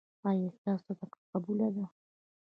ایا ستاسو صدقه قبوله ده؟